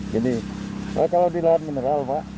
jadi kalau di lahan mineral